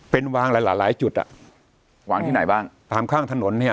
เป็นวางหลายหลายจุดอ่ะวางที่ไหนบ้างตามข้างถนนเนี่ย